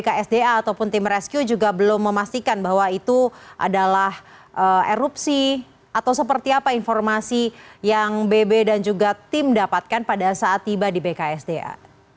ksda ataupun tim rescue juga belum memastikan bahwa itu adalah erupsi atau seperti apa informasi yang bb dan juga tim dapatkan pada saat tiba di bksda